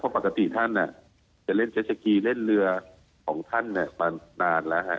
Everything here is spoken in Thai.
เพราะปกติท่านจะเล่นเจ็ดสกีเล่นเรือของท่านมานานแล้วฮะ